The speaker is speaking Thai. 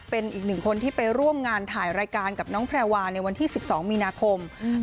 เป็นอีกหนึ่งคนที่ไปร่วมงานถ่ายรายการกับน้องแพรวาในวันที่๑๒มีนาคม